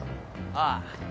ああ。